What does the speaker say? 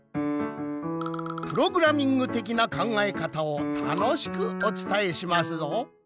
プログラミング的な考えかたをたのしくおつたえしますぞ。